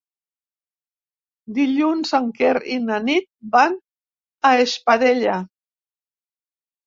Dilluns en Quer i na Nit van a Espadella.